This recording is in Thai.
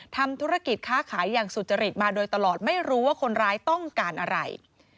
ทำธุรกิจค้าขายอย่างสุจริตมาโดยตลอดไม่รู้ว่าคนร้ายต้องการอะไร